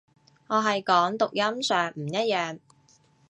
我係講讀音上唔一樣